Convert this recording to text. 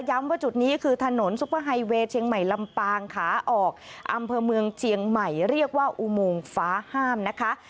ว่าจุดนี้คือถนนซุปเปอร์ไฮเวย์เชียงใหม่ลำปางขาออกอำเภอเมืองเชียงใหม่เรียกว่าอุโมงฟ้าห้ามนะคะ